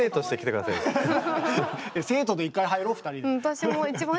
ハハハ生徒で一回入ろ２人で。